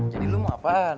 jadi lu mau apaan